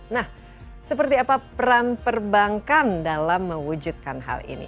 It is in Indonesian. nah seperti apa peran perbankan dalam mewujudkan hal ini